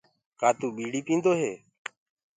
ڪآ تو ٻيڙي پيندو هي؟